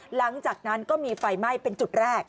หลังจากนั้นก็มีไฟไหม้เป็นจุดแรก